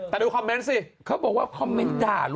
แต่ดูคอมเมนต์สิเขาบอกว่าคอมเมนต์ด่ารู้